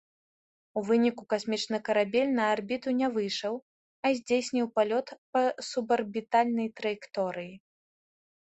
У выніку касмічны карабель на арбіту не выйшаў, а здзейсніў палёт па субарбітальнай траекторыі.